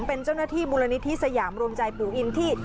เป็นเจ้าหน้าที่มูลนิธิสยามรวมใจปู่อินที่